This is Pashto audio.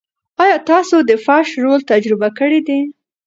ایا تاسو د فش رول تجربه کړې ده؟